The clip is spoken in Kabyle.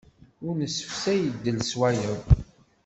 Ur nessefsay ddel s wayeḍ.